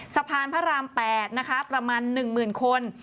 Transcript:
สะพานพระราม๘นะคะประมาณ๑๐๐๐คน